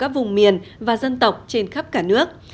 các vùng miền và dân tộc trên khắp cả nước